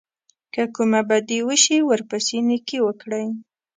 که کومه بدي وشي ورپسې نېکي وکړئ.